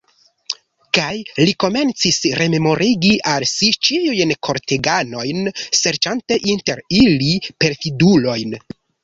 Kaj li komencis rememorigi al si ĉiujn korteganojn, serĉante inter ili perfidulojn.